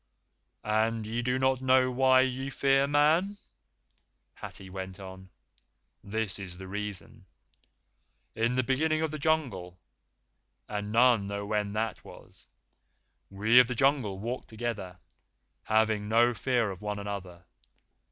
"And ye do not know why ye fear Man?" Hathi went on. "This is the reason. In the beginning of the Jungle, and none know when that was, we of the Jungle walked together, having no fear of one another.